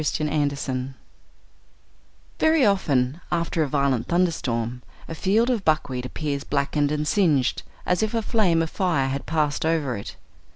THE BUCKWHEAT Very often, after a violent thunder storm, a field of buckwheat appears blackened and singed, as if a flame of fire had passed over it.